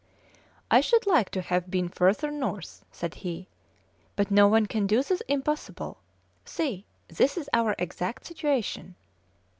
"I should like to have been further north," said he, "but no one can do the impossible; see, this is our exact situation."